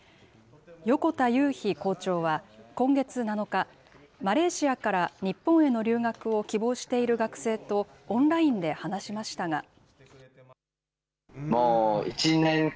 横田雄飛校長は、今月７日、マレーシアから日本への留学を希望している学生とオンラインで話しましたが。